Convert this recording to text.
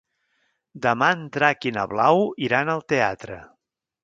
Demà en Drac i na Blau iran al teatre.